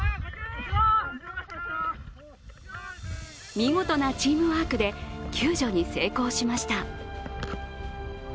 見事なチームワークで救助に成功しました。